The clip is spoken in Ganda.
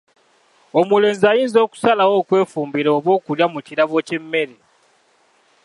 Omulenzi ayinza okusalawo okwefumbira oba okulya mu kirabo ky'emmere.